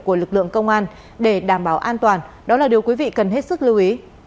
của lực lượng công an để đảm bảo an toàn đó là điều quý vị cần hết sức lưu ý